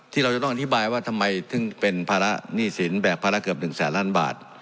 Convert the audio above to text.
ที่เราจะต้องอธิบายว่าทำไมถึงเป็นภาระหนี้สินแบกภาระเกือบ๑แสนล้านบาท